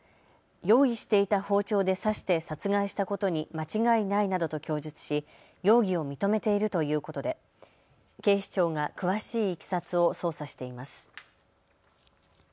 用意していた包丁で刺して殺害したことに間違いないなどと供述し容疑を認めているということで警視庁が詳しいいきさつを捜査しています。